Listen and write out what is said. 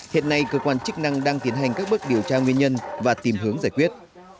hiện nay cơ quan chức năng đang tiến hành các bước điều tra nguyên nhân và tìm hướng giải quyết